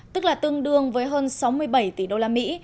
tức là tương đương với hơn sáu mươi bảy tỷ đô la mỹ